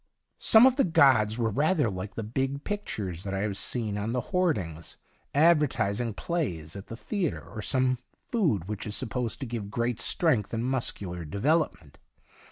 Some of the gods were rather like the big pictures that I have seen on the hoardings, advertising plays at the theatre, or some food which is supposed to give great strength and muscular development.